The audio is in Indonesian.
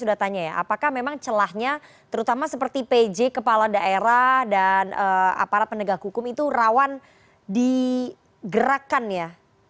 saya tanya ya apakah memang celahnya terutama seperti pj kepala daerah dan aparat penegak hukum itu rawan digerakkan ya